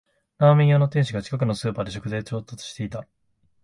ラーメン屋の店主が近くのスーパーで食材を調達してた